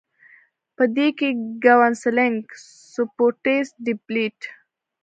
پۀ دې کښې کاونسلنګ ، سپورټس ، ډيبېټ ،